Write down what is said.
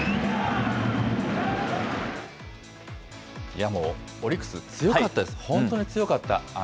いやもう、オリックス強かったです、本当に強かった。